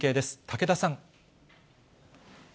武田さん。